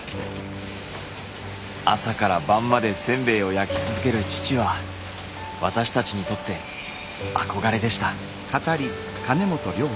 朝から晩までせんべいを焼き続ける父は私たちにとってあこがれでした。